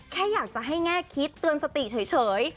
แค่อยากจะให้แง่คิดเตือนสติเฉย